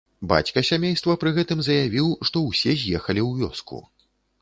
Бацька сямейства пры гэтым заявіў, што ўсе з'ехалі ў вёску.